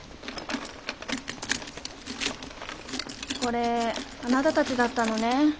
これあなたたちだったのね。